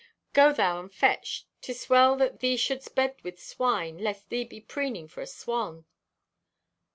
Go thou and fetch. 'Tis well that thee shouldst bed with swine lest thee be preening for a swan."